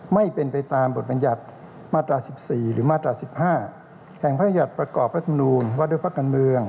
ไม่เป็นไปตามบทมันยัดมาตรา๑๔หรือ๑๕แห่งพระธุมัยัดประกอบแล้วนูญว่าเดือดพระกันเมือง